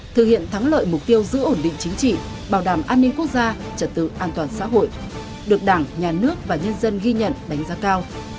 thực hiện thắng lợi mục tiêu giữ ổn định chính trị bảo đảm an ninh quốc gia trật tự an toàn xã hội được đảng nhà nước và nhân dân ghi nhận đánh giá cao